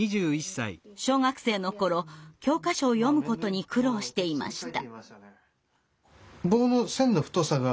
小学生の頃教科書を読むことに苦労していました。